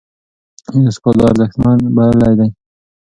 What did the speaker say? يونسکو دا ارزښتمن بللی دی.